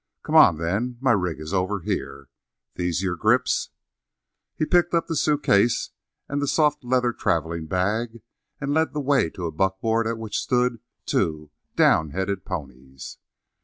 Come on, then. My rig is over here. These your grips?" He picked up the suit case and the soft leather traveling bag, and led the way to a buckboard at which stood two downheaded ponies.